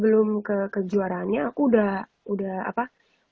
jalur jalan dino sudang